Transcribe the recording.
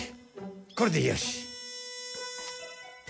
これでよし。